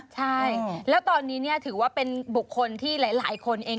ใช่แล้วตอนนี้ถือว่าเป็นบุคคลที่หลายคนเอง